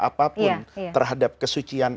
apapun terhadap kesucian